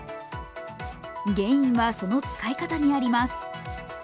原因は、その使い方にあります。